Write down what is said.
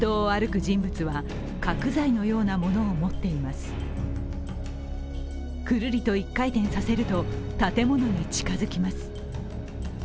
くるりと１回転させると建物に近づきます。